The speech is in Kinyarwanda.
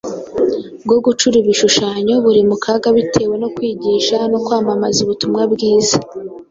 bwo gucura ibishushanyo buri mu kaga bitewe no kwigisha no kwamamaza ubutumwa bwiza.